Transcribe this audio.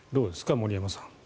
森山さん。